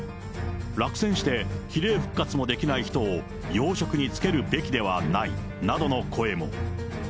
落選して比例復活もできない人を要職に就けるべきではないなどの声も。